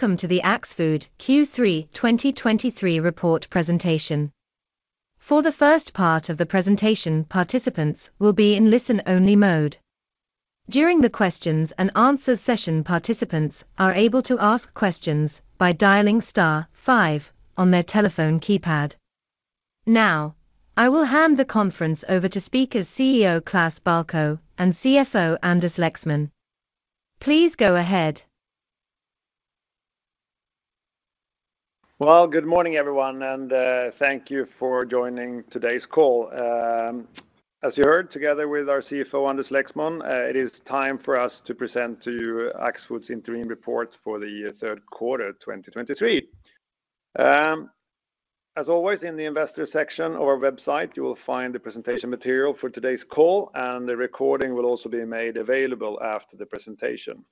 Welcome to the Axfood Q3 2023 report presentation. For the first part of the presentation, participants will be in listen-only mode. During the questions and answers session, participants are able to ask questions by dialing star five on their telephone keypad. Now, I will hand the conference over to speakers CEO Klas Balkow and CFO Anders Lexmon. Please go ahead. Well, good morning, everyone, and thank you for joining today's call. As you heard, together with our CFO, Anders Lexmon, it is time for us to present to you Axfood's interim report for the third quarter, 2023. As always, in the investor section of our website, you will find the presentation material for today's call, and the recording will also be made available after the presentation.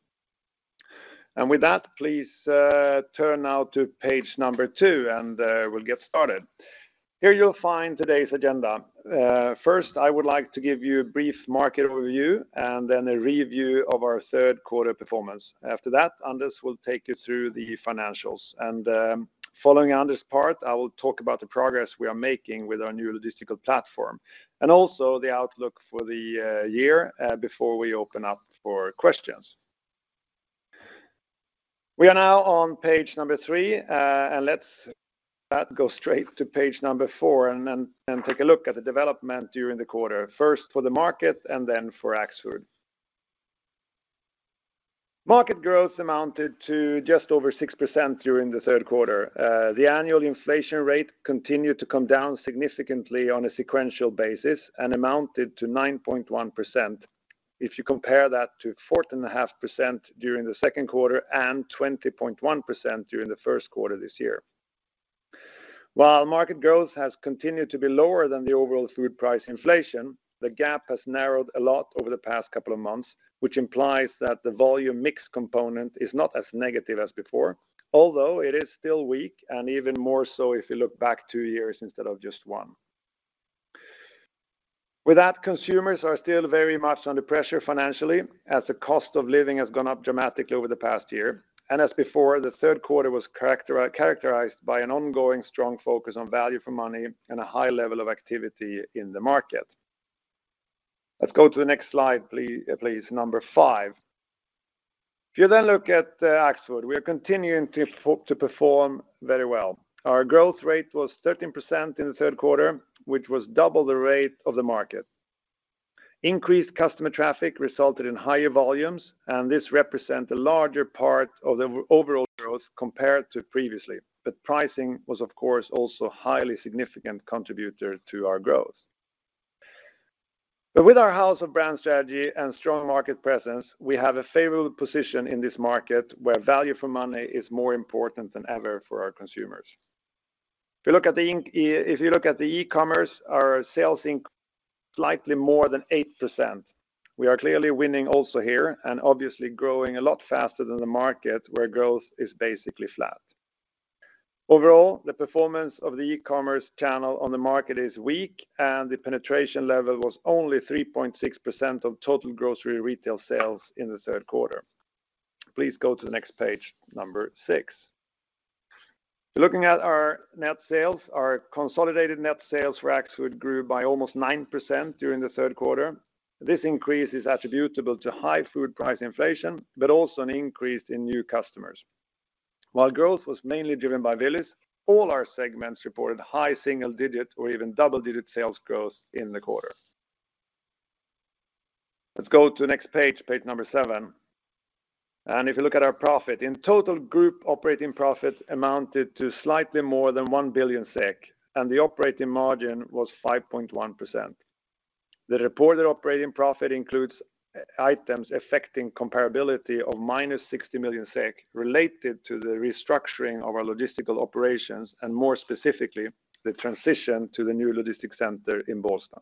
With that, please turn now to page number 2, and we'll get started. Here, you'll find today's agenda. First, I would like to give you a brief market review and then a review of our third quarter performance. After that, Anders will take you through the financials, and following Anders' part, I will talk about the progress we are making with our new logistical platform, and also the outlook for the year before we open up for questions. We are now on page number 3, and let's go straight to page number 4 and then take a look at the development during the quarter, first for the market and then for Axfood. Market growth amounted to just over 6% during the third quarter. The annual inflation rate continued to come down significantly on a sequential basis and amounted to 9.1%. If you compare that to 14.5% during the second quarter and 20.1% during the first quarter this year. While market growth has continued to be lower than the overall food price inflation, the gap has narrowed a lot over the past couple of months, which implies that the volume mix component is not as negative as before, although it is still weak and even more so if you look back two years instead of just one. With that, consumers are still very much under pressure financially, as the cost of living has gone up dramatically over the past year. And as before, the third quarter was characterized by an ongoing strong focus on value for money and a high level of activity in the market. Let's go to the next slide, please, 5. If you then look at Axfood, we are continuing to perform very well. Our growth rate was 13% in the third quarter, which was double the rate of the market. Increased customer traffic resulted in higher volumes, and this represent a larger part of the overall growth compared to previously, but pricing was, of course, also a highly significant contributor to our growth. But with our house and brand strategy and strong market presence, we have a favorable position in this market, where value for money is more important than ever for our consumers. If you look at the e-commerce, our sales increased slightly more than 8%. We are clearly winning also here and obviously growing a lot faster than the market, where growth is basically flat. Overall, the performance of the e-commerce channel on the market is weak, and the penetration level was only 3.6% of total grocery retail sales in the third quarter. Please go to the next page, number 6. Looking at our net sales, our consolidated net sales for Axfood grew by almost 9% during the third quarter. This increase is attributable to high food price inflation, but also an increase in new customers. While growth was mainly driven by Willys, all our segments reported high single digit or even double-digit sales growth in the quarter. Let's go to the next page, page number 7. And if you look at our profit, in total, group operating profits amounted to slightly more than 1 billion SEK, and the operating margin was 5.1%. The reported operating profit includes items affecting comparability of -60 million SEK, related to the restructuring of our logistical operations, and more specifically, the transition to the new logistics center in Bålsta.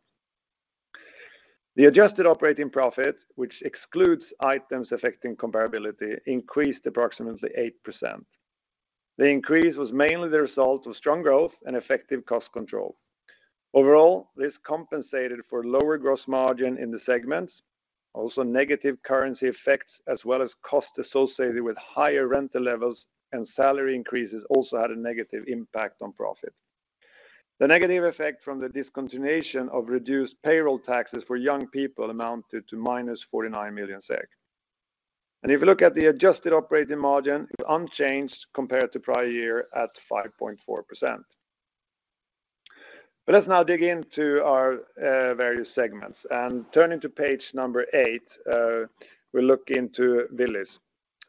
The adjusted operating profit, which excludes items affecting comparability, increased approximately 8%. The increase was mainly the result of strong growth and effective cost control. Overall, this compensated for lower gross margin in the segments, also negative currency effects, as well as costs associated with higher rental levels and salary increases also had a negative impact on profit. The negative effect from the discontinuation of reduced payroll taxes for young people amounted to -49 million SEK. If you look at the adjusted operating margin, it was unchanged compared to prior year at 5.4%. Let's now dig into our various segments. Turning to page number 8, we look into Willys.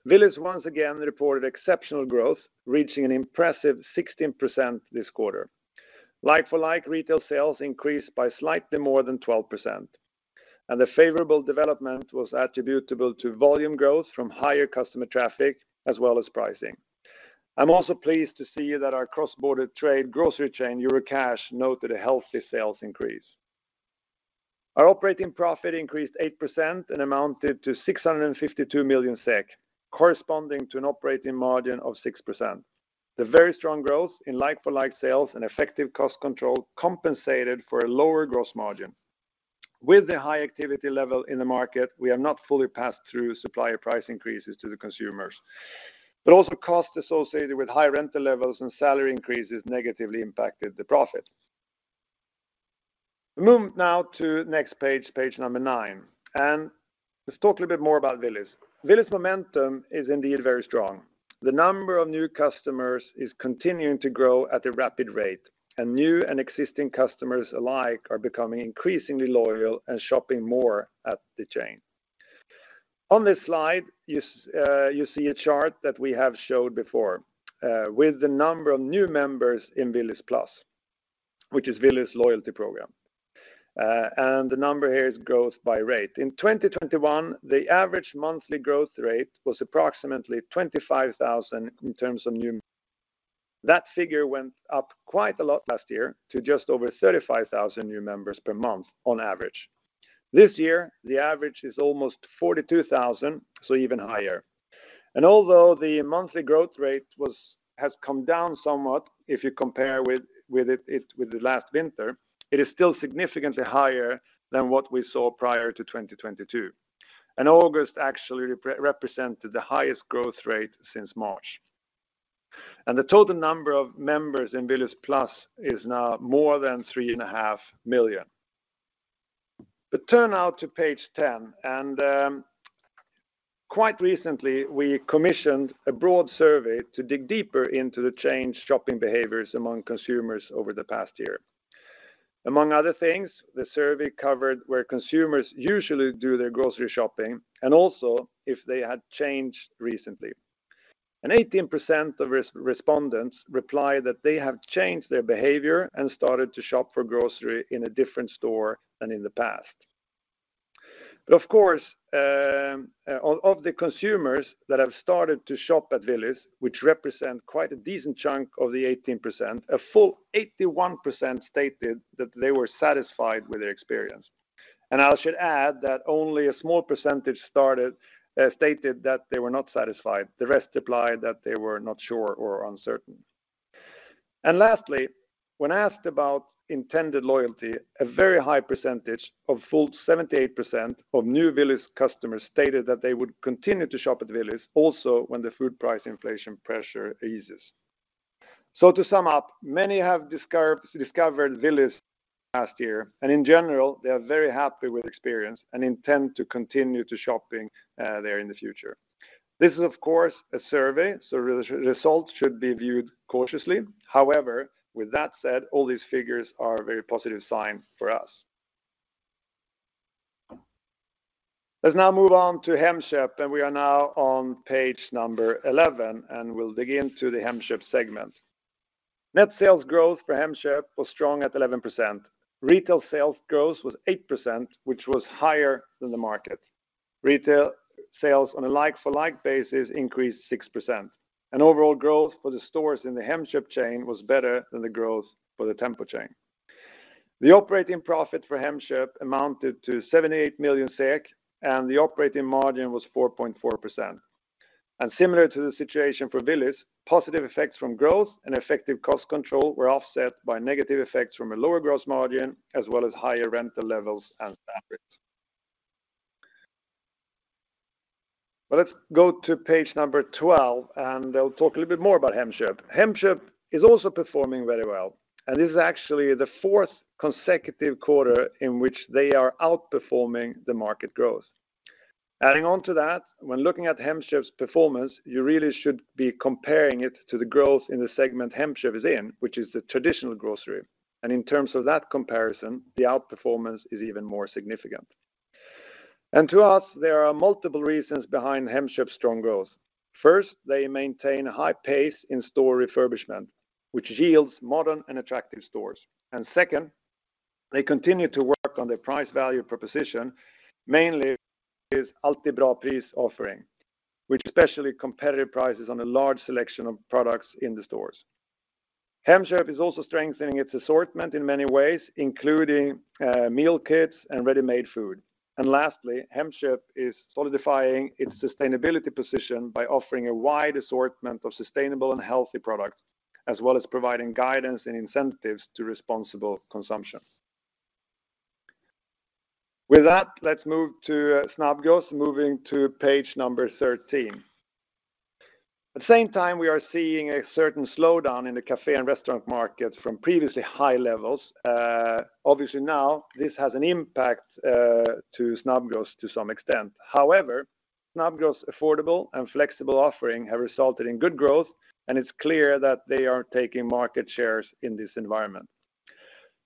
Willys, once again, reported exceptional growth, reaching an impressive 16% this quarter. Like-for-like retail sales increased by slightly more than 12%, and the favorable development was attributable to volume growth from higher customer traffic as well as pricing. I'm also pleased to see that our cross-border trade grocery chain, Eurocash, noted a healthy sales increase. Our operating profit increased 8% and amounted to 652 million SEK, corresponding to an operating margin of 6%. The very strong growth in like-for-like sales and effective cost control compensated for a lower gross margin. With the high activity level in the market, we have not fully passed through supplier price increases to the consumers. But also costs associated with high rental levels and salary increases negatively impacted the profit. We move now to next page, page number 9, and let's talk a little bit more about Willys. Willys' momentum is indeed very strong. The number of new customers is continuing to grow at a rapid rate, and new and existing customers alike are becoming increasingly loyal and shopping more at the chain. On this slide, you see a chart that we have showed before, with the number of new members in Willys Plus, which is Willys' loyalty program. And the number here is growth by rate. In 2021, the average monthly growth rate was approximately 25,000 in terms of new. That figure went up quite a lot last year to just over 35,000 new members per month on average. This year, the average is almost 42,000, so even higher. And although the monthly growth rate has come down somewhat, if you compare with, with it, with the last winter, it is still significantly higher than what we saw prior to 2022. And August actually represented the highest growth rate since March. And the total number of members in Willys Plus is now more than 3.5 million. But turn now to page 10, and quite recently, we commissioned a broad survey to dig deeper into the changed shopping behaviors among consumers over the past year. Among other things, the survey covered where consumers usually do their grocery shopping and also if they had changed recently. And 18% of respondents replied that they have changed their behavior and started to shop for grocery in a different store than in the past. But of course, of the consumers that have started to shop at Willys, which represent quite a decent chunk of the 18%, a full 81% stated that they were satisfied with their experience. And I should add that only a small percentage stated that they were not satisfied. The rest replied that they were not sure or uncertain. And lastly, when asked about intended loyalty, a very high percentage of full 78% of new Willys customers stated that they would continue to shop at Willys also when the food price inflation pressure eases. So to sum up, many have discovered Willys last year, and in general, they are very happy with experience and intend to continue to shopping there in the future. This is, of course, a survey, so the results should be viewed cautiously. However, with that said, all these figures are a very positive sign for us. Let's now move on to Hemköp, and we are now on page 11, and we'll dig into the Hemköp segment. Net sales growth for Hemköp was strong at 11%. Retail sales growth was 8%, which was higher than the market. Retail sales on a like-for-like basis increased 6%, and overall growth for the stores in the Hemköp chain was better than the growth for the Tempo chain. The operating profit for Hemköp amounted to 78 million SEK, and the operating margin was 4.4%. Similar to the situation for Willys, positive effects from growth and effective cost control were offset by negative effects from a lower gross margin, as well as higher rental levels and salaries. Let's go to page 12, and I'll talk a little bit more about Hemköp. Hemköp is also performing very well, and this is actually the fourth consecutive quarter in which they are outperforming the market growth. Adding on to that, when looking at Hemköp's performance, you really should be comparing it to the growth in the segment Hemköp is in, which is the traditional grocery. In terms of that comparison, the outperformance is even more significant. To us, there are multiple reasons behind Hemköp's strong growth. First, they maintain a high pace in store refurbishment, which yields modern and attractive stores. Second, they continue to work on their price value proposition, mainly is Alltid Bra Pris offering, which especially competitive prices on a large selection of products in the stores. Hemköp is also strengthening its assortment in many ways, including meal kits and ready-made food. And lastly, Hemköp is solidifying its sustainability position by offering a wide assortment of sustainable and healthy products, as well as providing guidance and incentives to responsible consumption. With that, let's move to Snabbgross, moving to page 13. At the same time, we are seeing a certain slowdown in the café and restaurant market from previously high levels. Obviously, now, this has an impact to Snabbgross to some extent. However, Snabbgross affordable and flexible offering have resulted in good growth, and it's clear that they are taking market shares in this environment.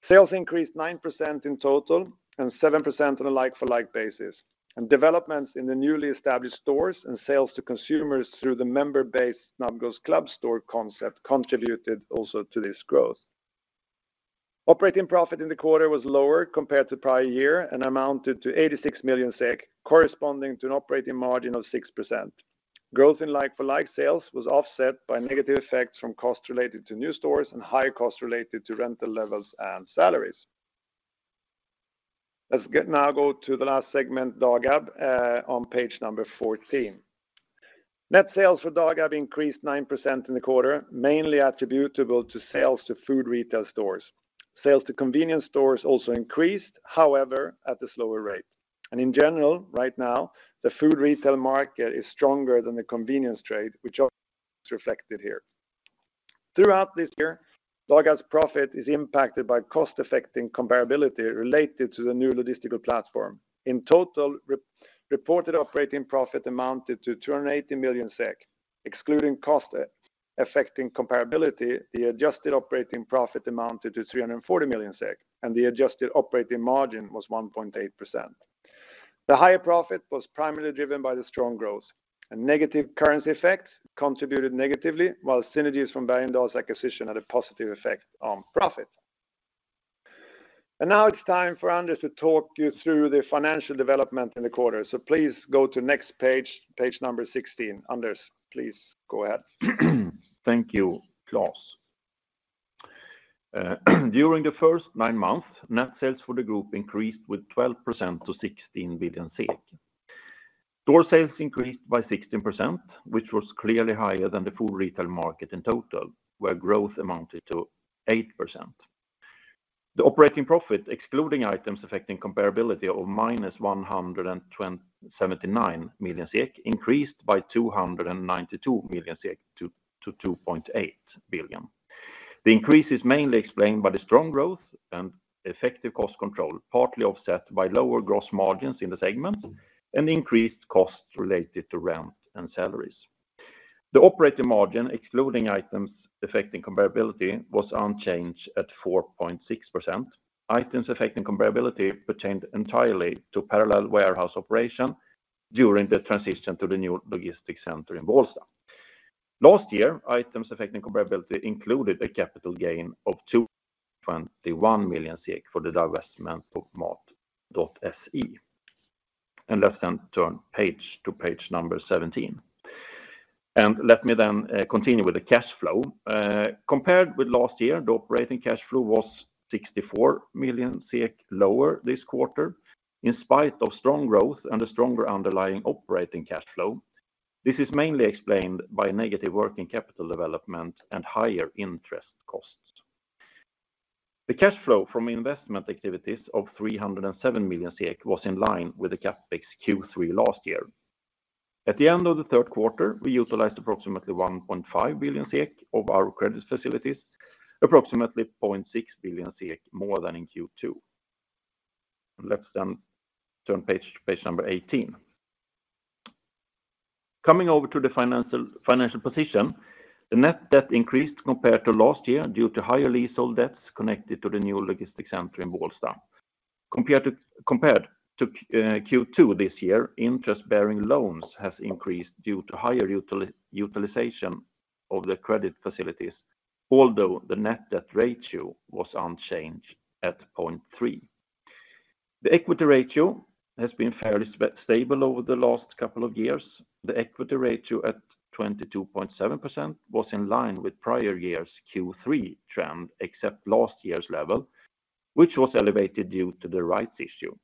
Sales increased 9% in total and 7% on a like-for-like basis, and developments in the newly established stores and sales to consumers through the member-based Snabbgross Club store concept contributed also to this growth. Operating profit in the quarter was lower compared to prior year and amounted to 86 million SEK, corresponding to an operating margin of 6%. Growth in like-for-like sales was offset by negative effects from costs related to new stores and higher costs related to rental levels and salaries. Let's now go to the last segment, Dagab, on page 14. Net sales for Dagab increased 9% in the quarter, mainly attributable to sales to food retail stores. Sales to convenience stores also increased, however, at the slower rate. And in general, right now, the food retail market is stronger than the convenience trade, which are reflected here. Throughout this year, Dagab's profit is impacted by cost affecting comparability related to the new logistical platform. In total, reported operating profit amounted to 280 million SEK. Excluding costs affecting comparability, the adjusted operating profit amounted to 340 million SEK, and the adjusted operating margin was 1.8%. The higher profit was primarily driven by the strong growth, and negative currency effects contributed negatively, while synergies from Bergendahls acquisition had a positive effect on profit. And now it's time for Anders to talk you through the financial development in the quarter. So please go to next page, page number 16. Anders, please go ahead. Thank you, Klas. During the first nine months, net sales for the group increased with 12% to 16 billion. Store sales increased by 16%, which was clearly higher than the full retail market in total, where growth amounted to 8%. The operating profit, excluding items affecting comparability of minus 179 million SEK, increased by 292 million SEK to 2.8 billion. The increase is mainly explained by the strong growth and effective cost control, partly offset by lower gross margins in the segment and increased costs related to rent and salaries. The operating margin, excluding items affecting comparability, was unchanged at 4.6%. Items affecting comparability pertained entirely to parallel warehouse operation during the transition to the new logistic center in Bålsta. Last year, items affecting comparability included a capital gain of 221 million SEK for the divestment of Mat.se. Let's then turn page to page number 17. Let me then continue with the cash flow. Compared with last year, the operating cash flow was 64 million SEK lower this quarter, in spite of strong growth and a stronger underlying operating cash flow. This is mainly explained by negative working capital development and higher interest costs. The cash flow from investment activities of 307 million SEK was in line with the CapEx Q3 last year. At the end of the third quarter, we utilized approximately 1.5 billion of our credit facilities, approximately 0.6 billion more than in Q2. Let's then turn page to page number 18. Coming over to the financial position, the net debt increased compared to last year due to higher leasehold debts connected to the new logistics center in Bålsta. Compared to Q2 this year, interest-bearing loans has increased due to higher utilization of the credit facilities, although the net debt ratio was unchanged at 0.3. The equity ratio has been fairly stable over the last couple of years. The equity ratio at 22.7% was in line with prior year's Q3 trend, except last year's level, which was elevated due to the rights issue.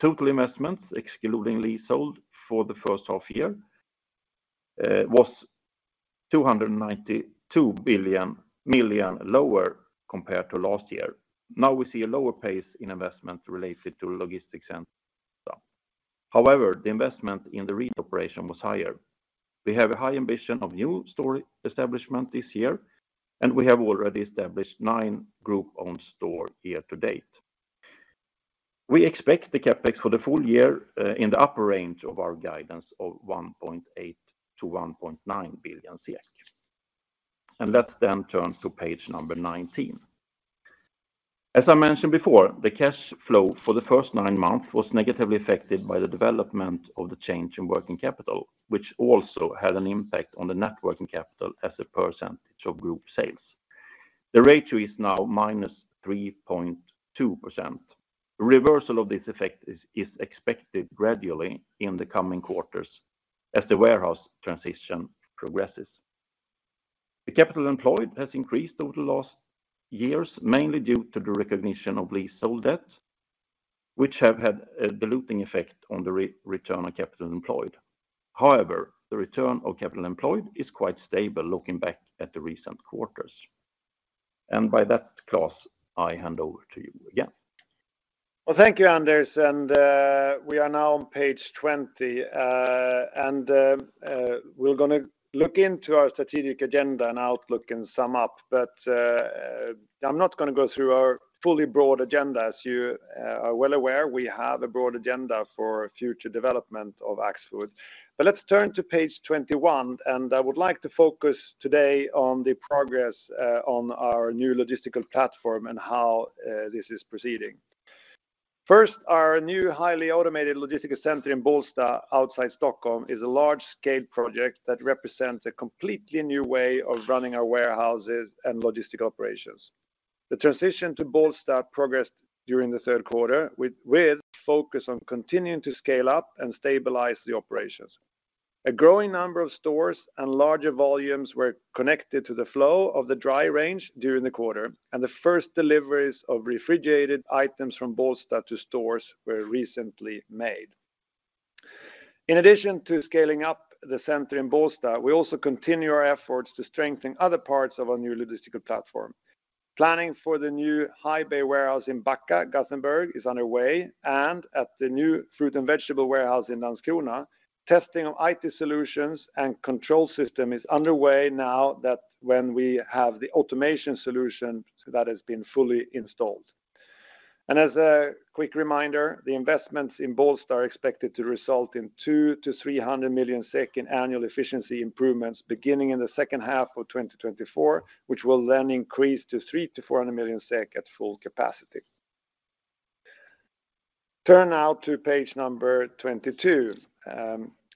Total investments, excluding leasehold for the first half year, was 292 million lower compared to last year. Now we see a lower pace in investment related to logistics and stuff. However, the investment in the retail operation was higher. We have a high ambition of new store establishment this year, and we have already established nine group-owned stores year to date. We expect the CapEx for the full year in the upper range of our guidance of 1.8 billion-1.9 billion. Let's then turn to page 19. As I mentioned before, the cash flow for the first nine months was negatively affected by the development of the change in working capital, which also had an impact on the net working capital as a percentage of group sales. The ratio is now -3.2%. Reversal of this effect is expected gradually in the coming quarters as the warehouse transition progresses. The capital employed has increased over the last years, mainly due to the recognition of leasehold debt, which have had a diluting effect on the return on capital employed. However, the return on capital employed is quite stable, looking back at the recent quarters. By that, Klas, I hand over to you again. Well, thank you, Anders, and we are now on page 20, and we're gonna look into our strategic agenda and outlook and sum up. But I'm not gonna go through our fully broad agenda. As you are well aware, we have a broad agenda for future development of Axfood. But let's turn to page 21, and I would like to focus today on the progress on our new logistical platform and how this is proceeding. First, our new highly automated logistical center in Bålsta, outside Stockholm, is a large-scale project that represents a completely new way of running our warehouses and logistical operations. The transition to Bålsta progressed during the third quarter, with focus on continuing to scale up and stabilize the operations. A growing number of stores and larger volumes were connected to the flow of the dry range during the quarter, and the first deliveries of refrigerated items from Bålsta to stores were recently made. In addition to scaling up the center in Bålsta, we also continue our efforts to strengthen other parts of our new logistical platform. Planning for the new high bay warehouse in Backa, Gothenburg, is underway, and at the new fruit and vegetable warehouse in Landskrona, testing of IT solutions and control system is underway now that when we have the automation solution that has been fully installed. And as a quick reminder, the investments in Bålsta are expected to result in 200 million-300 million SEK in annual efficiency improvements, beginning in the second half of 2024, which will then increase to 300 million-400 million SEK at full capacity. Turn now to page 22.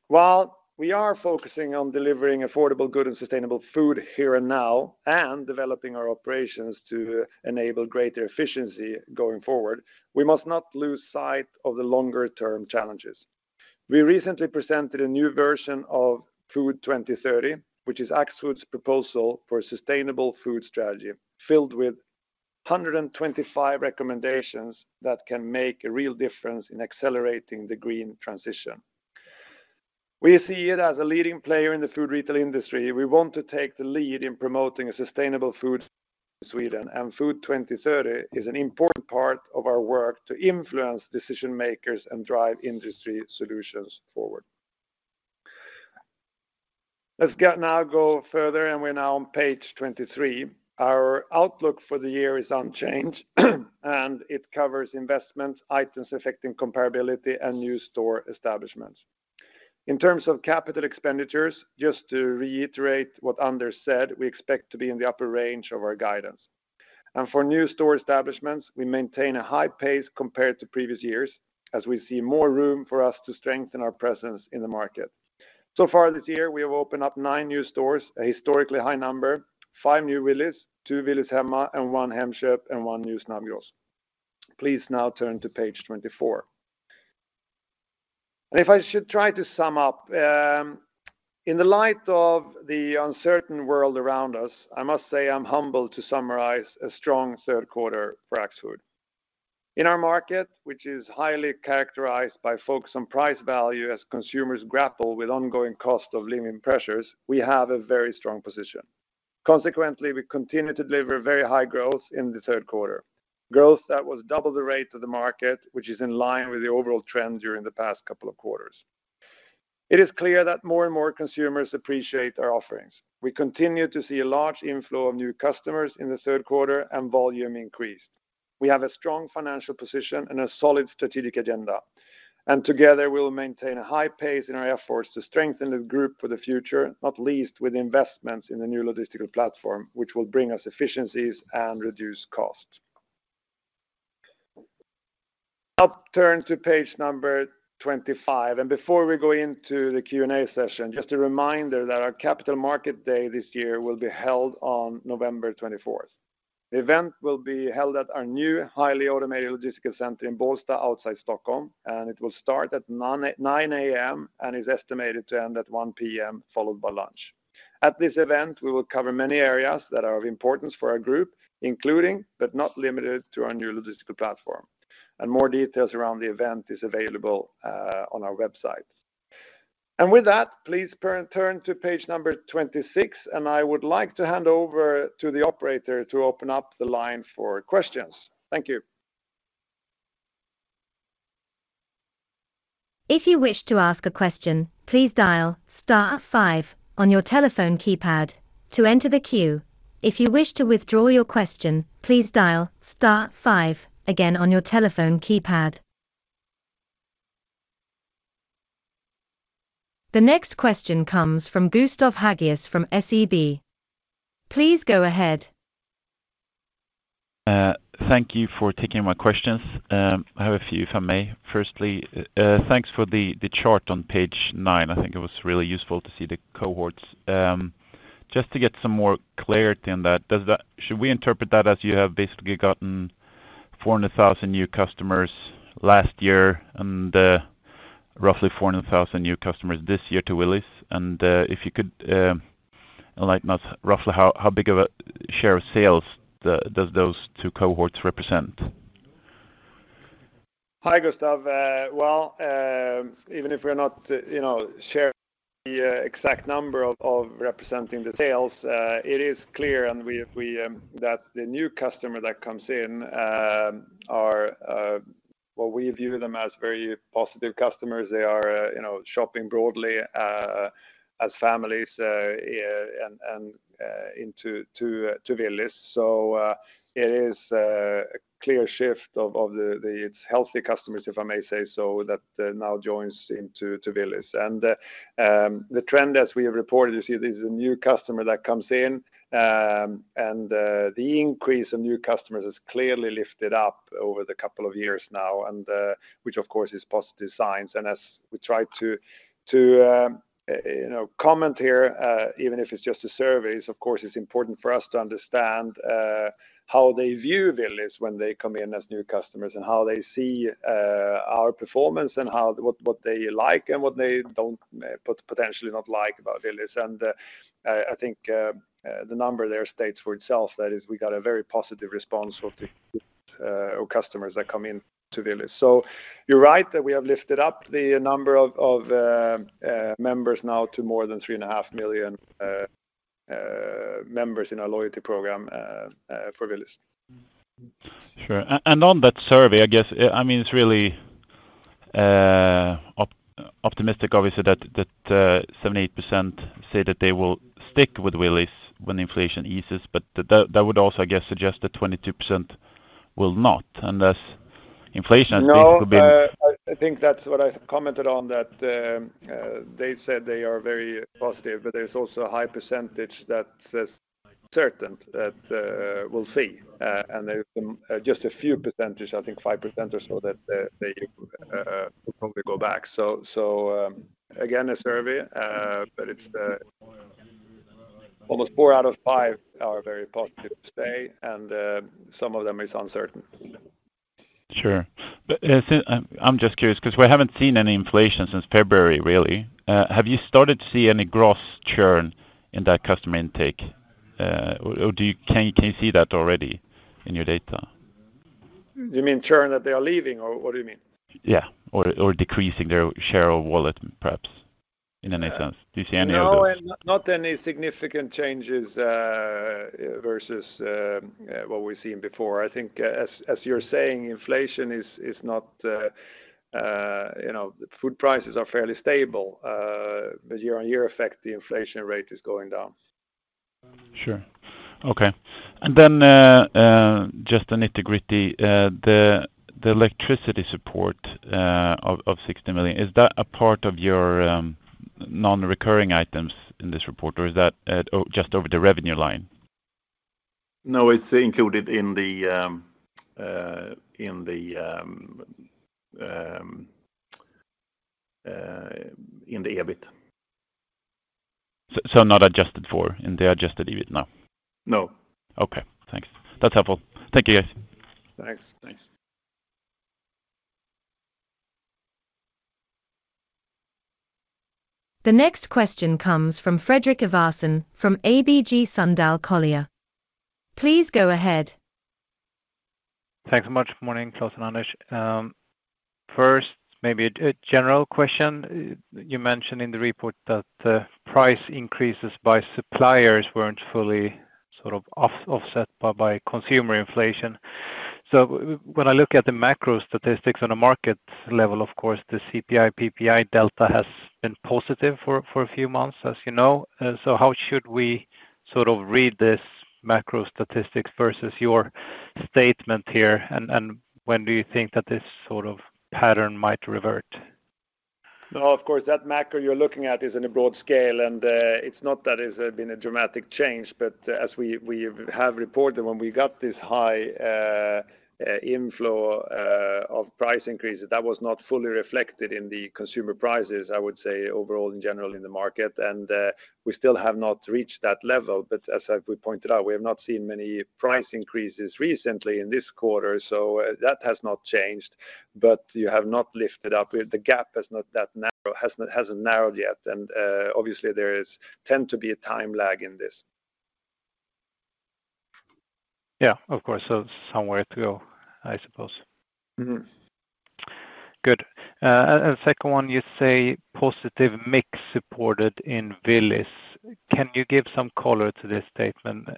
While we are focusing on delivering affordable, good, and sustainable food here and now, and developing our operations to enable greater efficiency going forward, we must not lose sight of the longer term challenges. We recently presented a new version of Food 2030, which is Axfood's proposal for a sustainable food strategy, filled with 125 recommendations that can make a real difference in accelerating the green transition. We see it as a leading player in the food retail industry. We want to take the lead in promoting a sustainable food Sweden, and Food 2030 is an important part of our work to influence decision makers and drive industry solutions forward. Let's now go further, and we're now on page 23. Our outlook for the year is unchanged, and it covers investments, items affecting comparability, and new store establishments. In terms of capital expenditures, just to reiterate what Anders said, we expect to be in the upper range of our guidance. For new store establishments, we maintain a high pace compared to previous years, as we see more room for us to strengthen our presence in the market. So far this year, we have opened up 9 new stores, a historically high number, 5 new Willys, 2 Willys Hemma, and 1 Hemköp, and 1 new Snabbgross. Please now turn to page 24. If I should try to sum up, in the light of the uncertain world around us, I must say I'm humbled to summarize a strong third quarter for Axfood. In our market, which is highly characterized by focus on price value as consumers grapple with ongoing cost of living pressures, we have a very strong position. Consequently, we continue to deliver very high growth in the third quarter. Growth that was double the rate of the market, which is in line with the overall trends during the past couple of quarters. It is clear that more and more consumers appreciate our offerings. We continue to see a large inflow of new customers in the third quarter and volume increased. We have a strong financial position and a solid strategic agenda, and together, we will maintain a high pace in our efforts to strengthen the group for the future, not least with investments in the new logistical platform, which will bring us efficiencies and reduce costs. Up, turn to page number 25, and before we go into the Q&A session, just a reminder that our Capital Market Day this year will be held on November 24th. The event will be held at our new highly automated logistical center in Bålsta, outside Stockholm, and it will start at 9:00 A.M. and is estimated to end at 1:00 P.M., followed by lunch. At this event, we will cover many areas that are of importance for our group, including but not limited to our new logistical platform, and more details around the event are available on our website. And with that, please turn to page number 26, and I would like to hand over to the operator to open up the line for questions. Thank you. If you wish to ask a question, please dial star five on your telephone keypad to enter the queue. If you wish to withdraw your question, please dial star five again on your telephone keypad. The next question comes from Gustav Hagéus from SEB. Please go ahead. Thank you for taking my questions. I have a few, if I may. Firstly, thanks for the chart on page 9. I think it was really useful to see the cohorts. Just to get some more clarity on that, does that—Should we interpret that as you have basically gotten 400,000 new customers last year and roughly 400,000 new customers this year to Willys? And if you could enlighten us, roughly, how big of a share of sales does those two cohorts represent? Hi, Gustav. Well, even if we're not, you know, share the exact number of, of representing the sales, it is clear, and we, we, that the new customer that comes in, are... Well, we view them as very positive customers. They are, you know, shopping broadly, as families, and, and, into to, to Willys. So, it is, a clear shift of, of the, the, it's healthy customers, if I may say so, that, now joins into to Willys. And, the trend, as we have reported, you see, there's a new customer that comes in, and, the increase in new customers has clearly lifted up over the couple of years now, and, which of course, is positive signs. And as we try to you know comment here, even if it's just a survey, of course, it's important for us to understand how they view Willys when they come in as new customers, and how they see our performance and how what they like and what they don't potentially not like about Willys. And I think the number there states for itself, that is, we got a very positive response from the customers that come in to Willys. So you're right that we have lifted up the number of members now to more than 3.5 million members in our loyalty program for Willys. Sure. And on that survey, I guess, I mean, it's really optimistic obviously, that 78% say that they will stick with Willys when inflation eases, but that would also, I guess, suggest that 22% will not, unless inflation has been- No, I think that's what I commented on, that they said they are very positive, but there's also a high percentage that says certain that we'll see. And there's been just a few percentage, I think 5% or so, that they probably go back. So, again, a survey, but it's almost four out of five are very positive to stay, and some of them is uncertain. Sure. But, so I'm just curious, because we haven't seen any inflation since February, really. Have you started to see any gross churn in that customer intake? Or can you see that already in your data? You mean churn that they are leaving, or what do you mean? Yeah. Or, or decreasing their share of wallet, perhaps, in any sense. Do you see any of those? No, not any significant changes, versus, what we've seen before. I think, as you're saying, inflation is not... You know, food prices are fairly stable. The year-on-year effect, the inflation rate is going down. Sure. Okay. And then, just the nitty-gritty, the electricity support of 60 million, is that a part of your non-recurring items in this report, or is that at, oh, just over the revenue line? No, it's included in the EBIT. So, so not adjusted for, in the adjusted EBIT now? No. Okay. Thanks. That's helpful. Thank you, guys. Thanks. Thanks. The next question comes from Fredrik Ivarsson from ABG Sundal Collier. Please go ahead. Thanks so much. Morning, Klas and Anders. First, maybe a general question. You mentioned in the report that the price increases by suppliers weren't fully sort of offset by consumer inflation. So when I look at the macro statistics on a market level, of course, the CPI, PPI delta has been positive for a few months, as you know. So how should we sort of read this macro statistics versus your statement here? And when do you think that this sort of pattern might revert? So of course, that macro you're looking at is in a broad scale, and it's not that it's been a dramatic change, but as we have reported, when we got this high inflow of price increases, that was not fully reflected in the consumer prices, I would say, overall, in general, in the market. And we still have not reached that level. But as I've pointed out, we have not seen many price increases recently in this quarter, so that has not changed. But you have not lifted up. The gap is not that narrow, hasn't narrowed yet. And obviously, there is tend to be a time lag in this. Yeah, of course. So somewhere to go, I suppose. Good. And second one, you say positive mix supported in Willys. Can you give some color to this statement?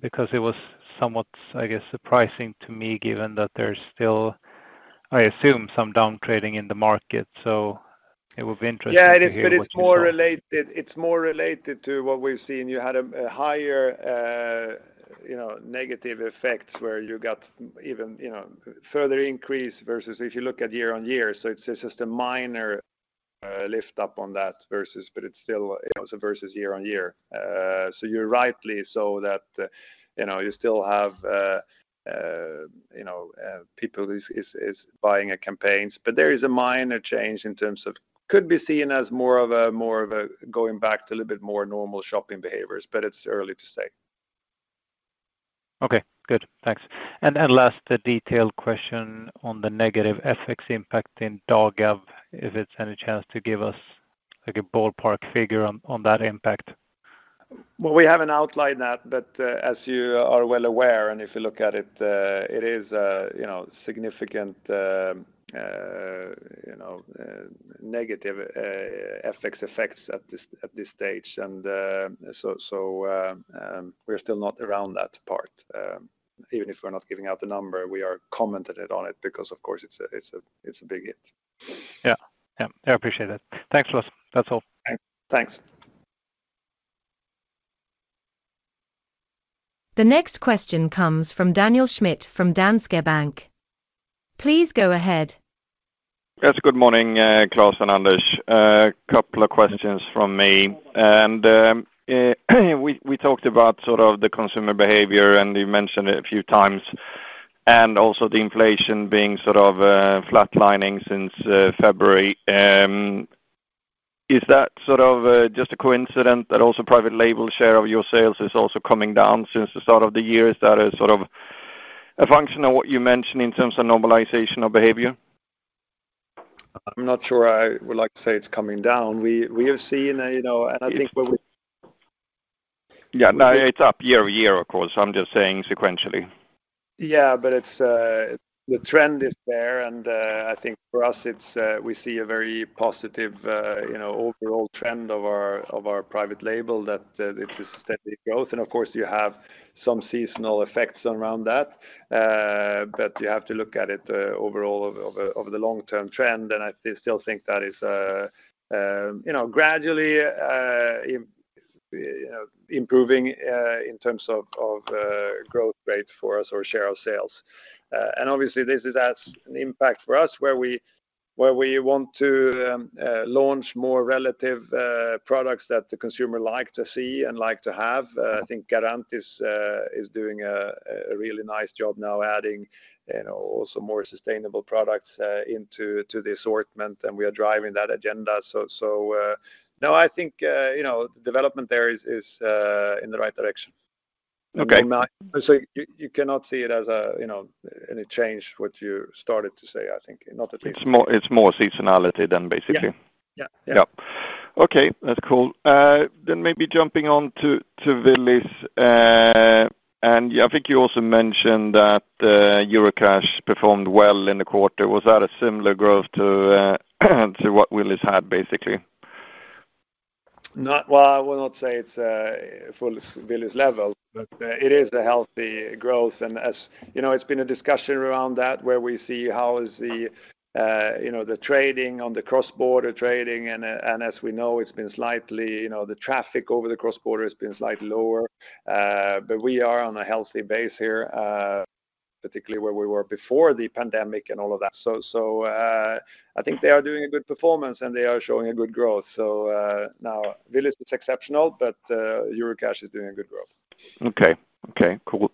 Because it was somewhat, I guess, surprising to me, given that there's still, I assume, some downtrading in the market. So it would be interesting to hear what you thought. Yeah, it is, but it's more related, it's more related to what we've seen. You had a higher, you know, negative effects where you got even, you know, further increase, versus if you look at year-on-year, so it's just a minor lift up on that versus... But it's still, you know, versus year-on-year. So you're rightly so, that, you know, you still have, you know, people is buying a campaigns. But there is a minor change in terms of... Could be seen as more of a, more of a going back to a little bit more normal shopping behaviors, but it's early to say. Okay, good. Thanks. And last, a detailed question on the negative FX impact in Dagab, if it's any chance to give us, like, a ballpark figure on that impact. Well, we haven't outlined that, but as you are well aware, and if you look at it, it is, you know, significant, you know, negative FX effects at this stage. And so, we're still not around that part. Even if we're not giving out the number, we are commented it on it, because, of course, it's a big hit. Yeah. Yeah, I appreciate it. Thanks, Klas. That's all. Thanks. Thanks. The next question comes from Daniel Schmidt, from Danske Bank. Please go ahead. Yes, good morning, Klas and Anders. A couple of questions from me. We talked about sort of the consumer behavior, and you mentioned it a few times, and also the inflation being sort of flatlining since February. Is that sort of just a coincidence that also private label share of your sales is also coming down since the start of the year? Is that a sort of a function of what you mentioned in terms of normalization of behavior? I'm not sure I would like to say it's coming down. We have seen, you know, and I think where we- Yeah, no, it's up year-over-year, of course. I'm just saying sequentially.... Yeah, but it's the trend is there, and I think for us, it's we see a very positive, you know, overall trend of our private label that it is steady growth. And of course, you have some seasonal effects around that, but you have to look at it overall of the long-term trend. And I still think that is, you know, gradually improving in terms of growth rate for us or share our sales. And obviously, this has an impact for us where we want to launch more relative products that the consumer like to see and like to have. I think Garant is doing a really nice job now, adding, you know, also more sustainable products into the assortment, and we are driving that agenda. So now I think, you know, the development there is in the right direction. Okay. So you cannot see it as a, you know, any change what you started to say, I think, not a- It's more, it's more seasonality than basically? Yeah. Yeah. Yeah. Okay, that's cool. Then maybe jumping on to, to Willys, and I think you also mentioned that, Eurocash performed well in the quarter. Was that a similar growth to, to what Willys had, basically? Well, I will not say it's a full Willys level, but it is a healthy growth. And as you know, it's been a discussion around that, where we see how is the trading on the cross-border trading, and as we know, it's been slightly the traffic over the cross-border has been slightly lower. But we are on a healthy base here, particularly where we were before the pandemic and all of that. So I think they are doing a good performance, and they are showing a good growth. So now Willys is exceptional, but Eurocash is doing a good growth. Okay. Okay, cool.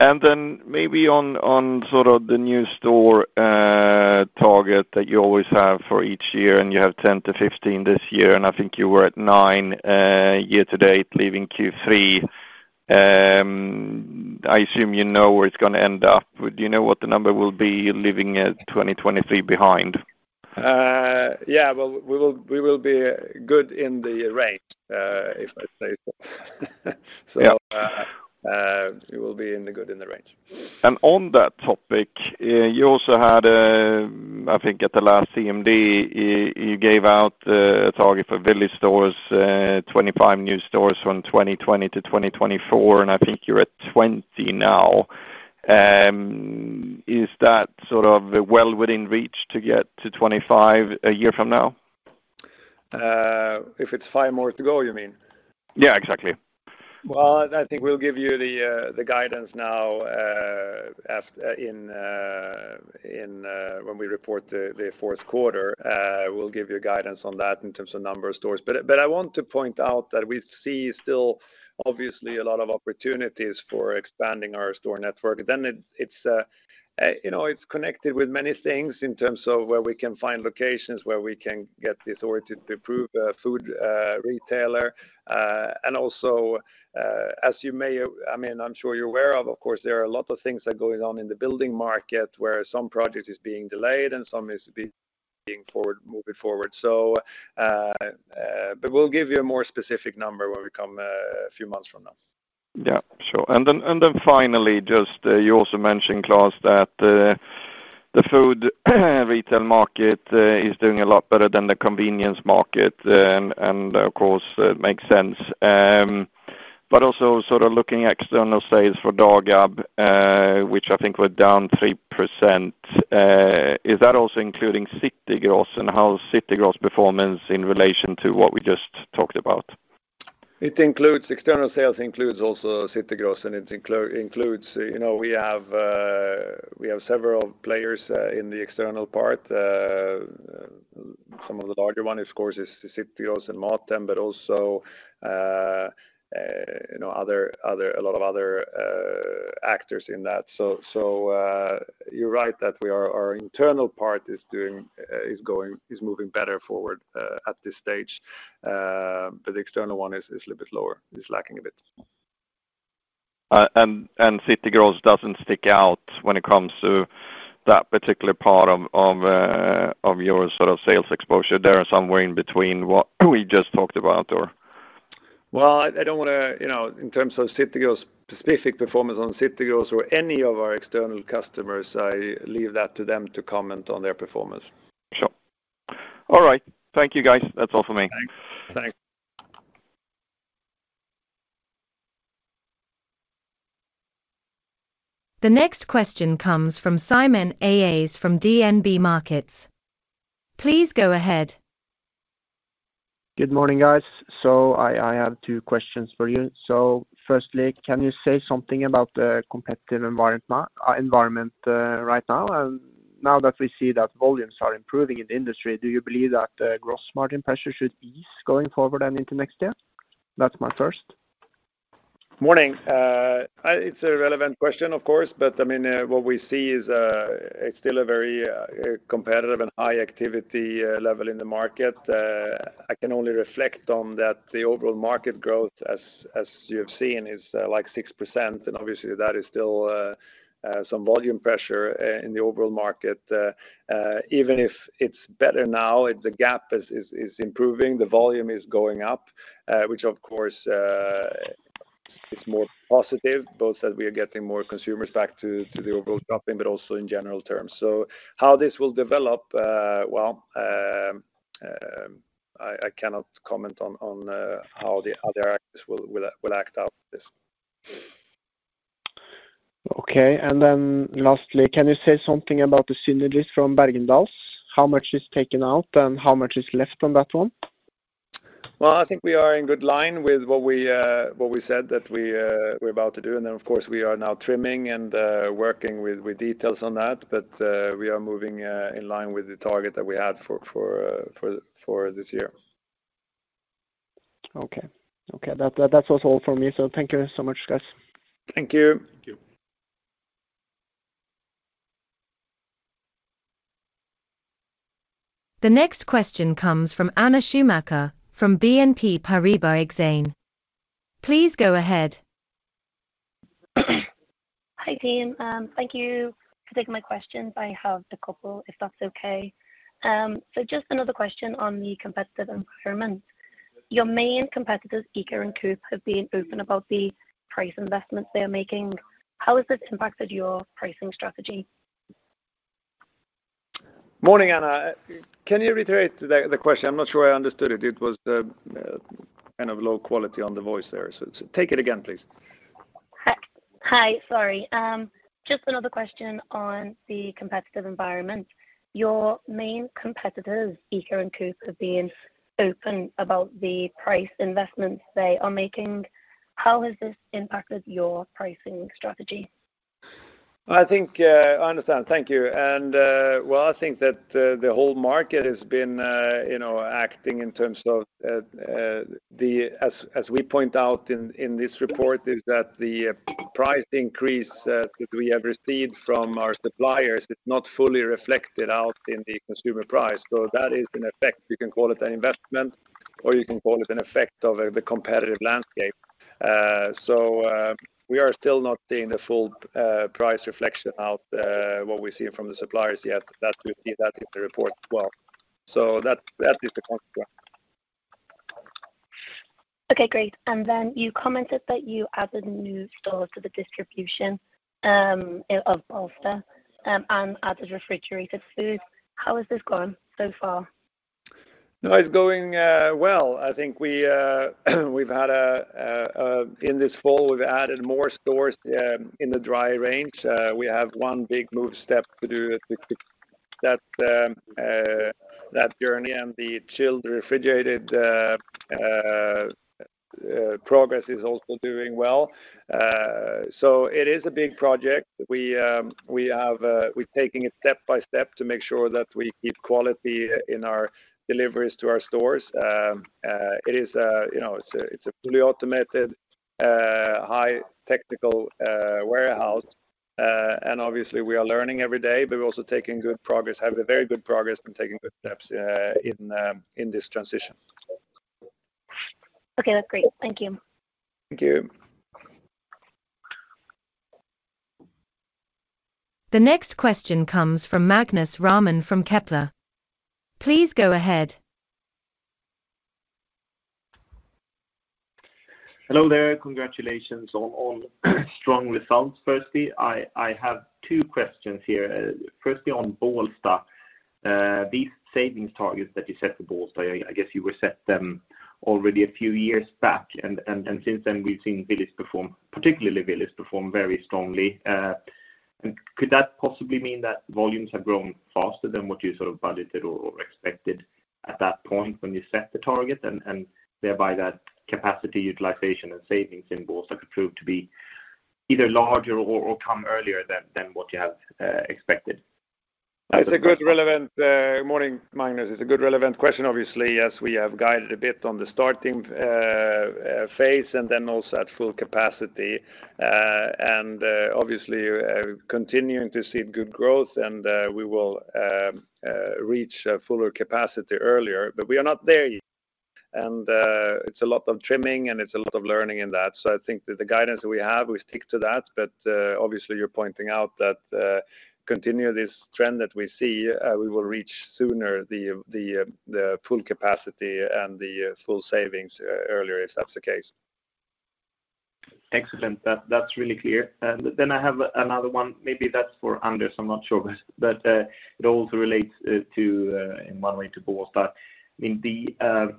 And then maybe on sort of the new store target that you always have for each year, and you have 10-15 this year, and I think you were at 9 year to date, leaving Q3. I assume you know where it's going to end up. Do you know what the number will be leaving 2023 behind? Yeah, well, we will be good in the range, if I say so. Yeah. We will be in the good in the range. On that topic, you also had, I think at the last CMD, you gave out a target for Willys stores, 25 new stores from 2020 to 2024, and I think you're at 20 now. Is that sort of well within reach to get to 25 a year from now? If it's five more to go, you mean? Yeah, exactly. Well, I think we'll give you the guidance now, as in when we report the fourth quarter. We'll give you guidance on that in terms of number of stores. But I want to point out that we see still, obviously, a lot of opportunities for expanding our store network. Then it, it's you know, it's connected with many things in terms of where we can find locations, where we can get the authority to approve a food retailer. And also, as you may... I mean, I'm sure you're aware of course, there are a lot of things that are going on in the building market, where some project is being delayed and some is being forward, moving forward. But we'll give you a more specific number when we come a few months from now. Yeah, sure. And then finally, just, you also mentioned, Klas, that the food retail market is doing a lot better than the convenience market. And, of course, it makes sense. But also sort of looking at external sales for Dagab, which I think were down 3%, is that also including City Gross? And how's City Gross performance in relation to what we just talked about? It includes external sales, includes also City Gross, and it includes, you know, we have several players in the external part. Some of the larger one, of course, is City Gross and Mathem, but also, you know, other, a lot of other actors in that. So, you're right that our internal part is doing, is going, is moving better forward at this stage. But the external one is a little bit lower, is lacking a bit. City Gross doesn't stick out when it comes to that particular part of your sort of sales exposure. They are somewhere in between what we just talked about or? Well, I don't wanna, you know, in terms of City Gross, specific performance on City Gross or any of our external customers, I leave that to them to comment on their performance. Sure. All right. Thank you, guys. That's all for me. Thanks. Thanks. The next question comes from Simen Aas from DNB Markets. Please go ahead. Good morning, guys. So I have two questions for you. So firstly, can you say something about the competitive environment right now? And now that we see that volumes are improving in the industry, do you believe that gross margin pressure should ease going forward and into next year? That's my first. Morning. It's a relevant question, of course, but I mean, what we see is, it's still a very competitive and high activity level in the market. I can only reflect on that the overall market growth, as you have seen, is like 6%, and obviously, that is still some volume pressure in the overall market. Even if it's better now, the gap is improving. The volume is going up, which, of course, it's more positive, both that we are getting more consumers back to the overall shopping, but also in general terms. So how this will develop, well, I cannot comment on how the other actors will act out this. Okay. And then lastly, can you say something about the synergies from Bergendahls? How much is taken out, and how much is left on that one? Well, I think we are in good line with what we said that we were about to do. And then, of course, we are now trimming and working with details on that. But we are moving in line with the target that we had for this year. Okay. Okay, that, that's also all for me. Thank you so much, guys. Thank you. Thank you. The next question comes from Anna Schumacher from BNP Paribas Exane. Please go ahead. Hi, team. Thank you for taking my questions. I have a couple, if that's okay. So just another question on the competitive environment. Your main competitors, ICA and Coop, have been open about the price investments they are making. How has this impacted your pricing strategy? Morning, Anna. Can you reiterate the question? I'm not sure I understood it. It was kind of low quality on the voice there, so take it again, please. Hi. Hi, sorry. Just another question on the competitive environment. Your main competitors, ICA and Coop, have been open about the price investments they are making. How has this impacted your pricing strategy? I think, I understand. Thank you. Well, I think that the whole market has been, you know, acting in terms of the... As we point out in this report, is that the price increase that we have received from our suppliers, it's not fully reflected out in the consumer price. So that is an effect. You can call it an investment, or you can call it an effect of the competitive landscape. So, we are still not seeing the full price reflection out what we're seeing from the suppliers yet. That we see that in the report as well. So that is the concept. Okay, great. And then you commented that you added new stores to the distribution of Bålsta, and added refrigerated food. How has this gone so far? No, it's going well. I think we've had, in this fall, we've added more stores in the dry range. We have one big move step to do at the that journey and the chilled, refrigerated progress is also doing well. So it is a big project. We're taking it step by step to make sure that we keep quality in our deliveries to our stores. It is a, you know, it's a, it's a fully automated, high technical warehouse. And obviously, we are learning every day, but we're also making good progress, having a very good progress and taking good steps in this transition. Okay, that's great. Thank you. Thank you. The next question comes from Magnus Råman from Kepler. Please go ahead. Hello there. Congratulations on strong results. Firstly, I have two questions here. Firstly, on Bålsta, these savings targets that you set for Bålsta, I guess you set them already a few years back, and since then, we've seen Willys perform, particularly Willys, perform very strongly. And could that possibly mean that volumes have grown faster than what you sort of budgeted or expected at that point when you set the target? And thereby, that capacity utilization and savings in Bålsta could prove to be either larger or come earlier than what you had expected? It's a good relevant morning, Magnus. It's a good relevant question. Obviously, yes, we have guided a bit on the starting phase and then also at full capacity. Obviously, continuing to see good growth and we will reach a fuller capacity earlier. But we are not there yet. It's a lot of trimming, and it's a lot of learning in that. So I think that the guidance that we have, we stick to that. But obviously, you're pointing out that continue this trend that we see, we will reach sooner the full capacity and the full savings earlier, if that's the case. Excellent. That, that's really clear. And then I have another one. Maybe that's for Anders, I'm not sure. But, it also relates, to, in one way to Bålsta. I mean, the,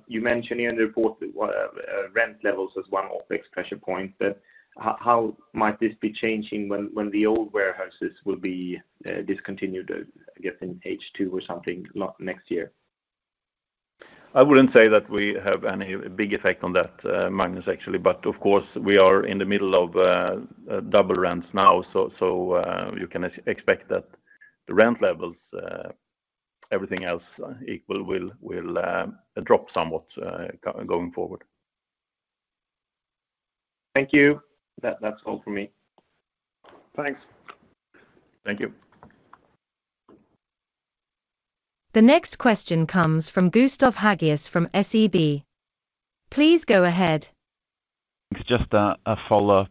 you mentioned in the report, rent levels as one of the expression points, but how, how might this be changing when, when the old warehouses will be, discontinued, I guess, in H2 or something next year? I wouldn't say that we have any big effect on that, Magnus, actually, but of course, we are in the middle of double rents now. So, you can expect that the rent levels, everything else equal, will drop somewhat, going forward. Thank you. That's all for me. Thanks. Thank you. The next question comes from Gustav Hagéus from SEB. Please go ahead. It's just a follow-up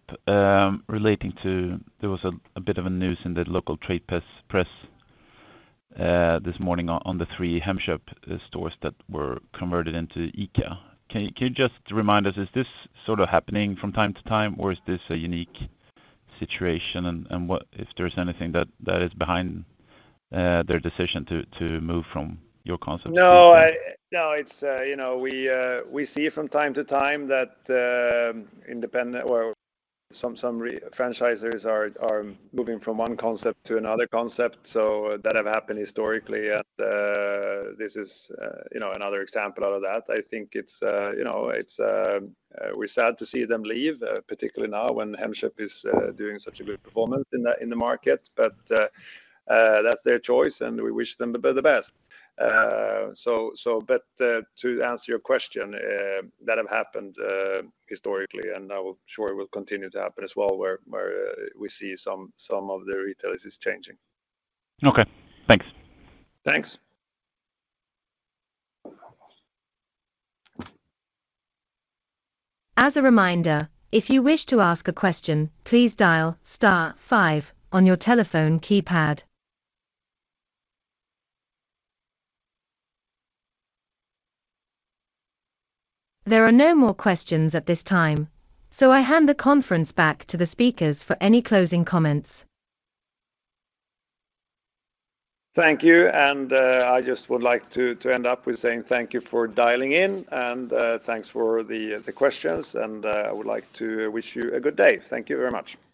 relating to... There was a bit of news in the local trade press this morning on the three Hemköp stores that were converted into ICA. Can you just remind us, is this sort of happening from time to time, or is this a unique situation? And what if there's anything that is behind their decision to move from your concept? No, no, it's, you know, we see from time to time that independent or some re-franchisers are moving from one concept to another concept, so that have happened historically. And this is, you know, another example out of that. I think it's, you know, it's, we're sad to see them leave, particularly now when Hemköp is doing such a good performance in the market. But that's their choice, and we wish them the best. So but, to answer your question, that have happened historically, and I'm sure it will continue to happen as well, where we see some of the retailers is changing. Okay. Thanks. Thanks. As a reminder, if you wish to ask a question, please dial star five on your telephone keypad. There are no more questions at this time, so I hand the conference back to the speakers for any closing comments. Thank you. I just would like to end up with saying thank you for dialing in, and thanks for the questions, and I would like to wish you a good day. Thank you very much.